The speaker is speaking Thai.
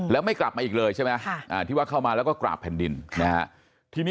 แล้วไม่กลับมาอีกเลยที่ว่าเข้ามาแล้วก็กราบแผนดิน